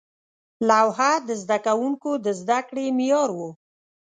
لوحه د زده کوونکو د زده کړې معیار و.